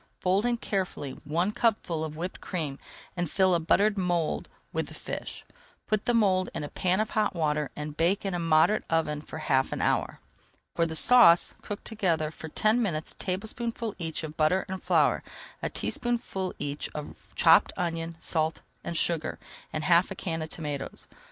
Fold in carefully one cupful of whipped cream and fill a buttered mould with the fish. Put the mould in a pan of hot water and bake in a moderate oven for half an hour. For the sauce, cook together for ten minutes a tablespoonful each of butter and flour, a teaspoonful each of chopped onion, salt, and sugar, and half a can of tomatoes.